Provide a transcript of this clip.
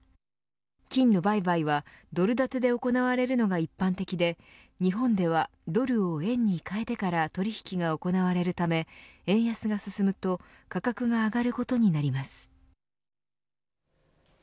金の売買はドル建てで行われるのが一般的で日本ではドルを円に換えてから取引が行われるため円安が進むと価格が上がることになります。